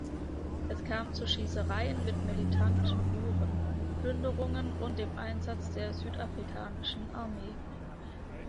Es kam zu Schießereien mit militanten Buren, Plünderungen und dem Einsatz der südafrikanischen Armee.